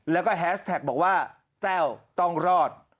แล้วก็แฮสแท็กบอกว่าแต้วต้องรอด